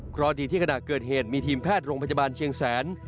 เพราะดีที่ขณะเกิดเหตุมีทีมแพทย์โรงพยาบาลเชียงแสน